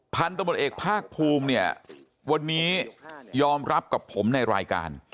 พันธบทเอกภาคภูมิเนี่ยวันนี้ยอมรับกับผมในรายการ